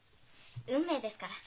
運命ですから。